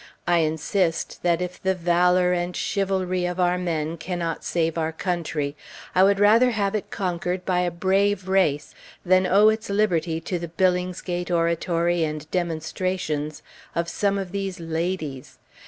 I insist, that if the valor and chivalry of our men cannot save our country, I would rather have it conquered by a brave race than owe its liberty to the Billingsgate oratory and demonstrations of some of these "ladies."